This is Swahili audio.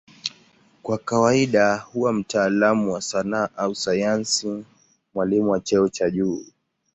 Kwa kawaida huwa mtaalamu wa sanaa au sayansi, mwalimu wa cheo cha juu.